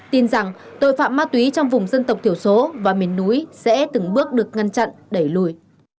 tin rằng tội phạm ma túy trong vùng dân tộc thiểu số và miền núi sẽ từng bước được ngăn chặn đẩy lùi